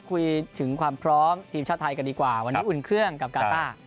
คุยถึงความพร้อมทีมชาติไทยกันดีกว่าวันนี้อุ่นเครื่องกับกาต้า